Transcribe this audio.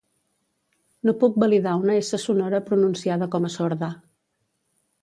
No puc validar una essa sonora pronunciada com a sorda